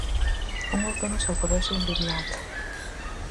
Un outono saboroso en Vimianzo.